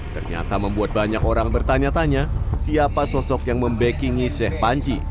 ternyata membuat banyak orang bertanya tanya siapa sosok yang membackingi sheikh panji